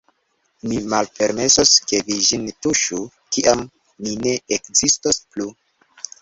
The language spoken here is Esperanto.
Mi malpermesos, ke vi ĝin tuŝu, kiam mi ne ekzistos plu.